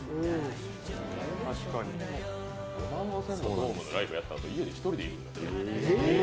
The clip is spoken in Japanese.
ドームでライブやったあと、家に１人でいるんだね。